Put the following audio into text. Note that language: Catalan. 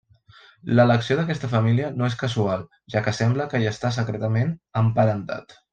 L'elecció d'aquesta família no és casual, ja que sembla que hi està secretament emparentat.